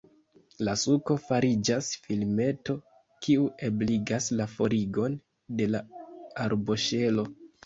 La suko fariĝas filmeto, kiu ebligas la forigon de la arboŝelo.